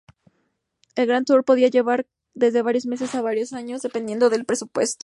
Un "grand tour" podía llevar desde varios meses a varios años, dependiendo del presupuesto.